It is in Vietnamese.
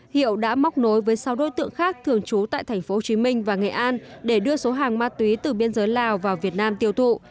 hiệu đã móc nối với sáu đối tượng khác thường trú tại thành phố hồ chí minh và nghệ an để đưa số hàng ma túy từ biên giới lào vào việt nam tiêu thụ